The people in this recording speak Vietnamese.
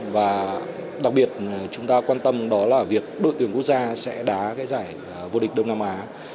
và đặc biệt chúng ta quan tâm đó là việc đội tuyển quốc gia sẽ đá cái giải vô địch đông nam á